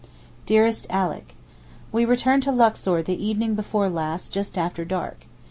DEAREST ALICK, We returned to Luxor the evening before last just after dark.